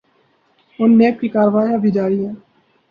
اورنیب کی کارروائیاں بھی جاری ہیں۔